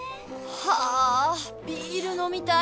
はぁビール飲みたい！